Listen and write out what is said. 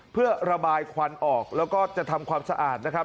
เพื่อระบายควันออกแล้วก็จะทำความสะอาดนะครับ